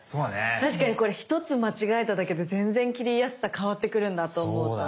確かにこれ１つ間違えただけで全然切りやすさ変わってくるんだと思った。